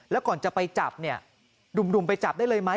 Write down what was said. แล้วก่อนจะไปจับเนี่ยดุ่มไปจับได้เลยไหม